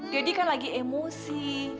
daddy kan lagi emosi